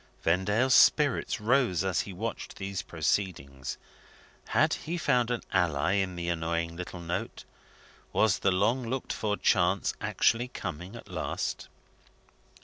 Vendale's spirits rose as he watched these proceedings. Had he found an ally in the annoying little note? Was the long looked for chance actually coming at last?